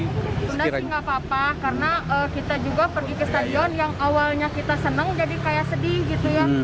tunda sih nggak apa apa karena kita juga pergi ke stadion yang awalnya kita senang jadi kayak sedih gitu ya